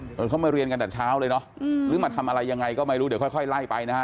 เออเขามาเรียนกันแต่เช้าเลยเนอะหรือมาทำอะไรยังไงก็ไม่รู้เดี๋ยวค่อยค่อยไล่ไปนะฮะ